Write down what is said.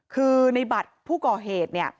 คือในบัตรผู้ก่อเหตุ